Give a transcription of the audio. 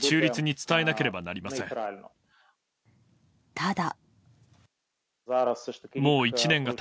ただ。